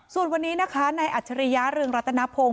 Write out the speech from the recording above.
ส่วนวันนี้นะคะในอัจฉริยะเรืองรัตนพงศ์